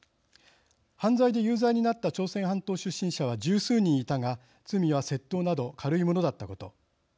犯罪で有罪になった朝鮮半島出身者は十数人いたが罪は窃盗など軽いものだったこと。